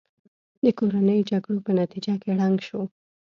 د کورنیو جګړو په نتیجه کې ړنګ شو.